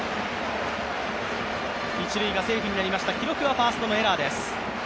一塁がセーフになりましたが、記録はファースのエラーです。